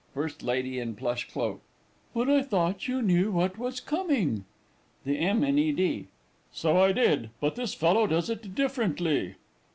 FIRST LADY IN PLUSH CLOAK. But I thought you knew what was coming? THE M. IN E. D. So I did but this fellow does it differently.